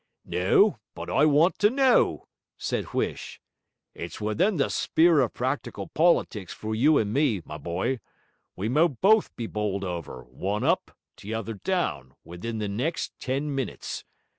'No, but I want to know,' said Huish. 'It's within the sp'ere of practical politics for you and me, my boy; we may both be bowled over, one up, t'other down, within the next ten minutes.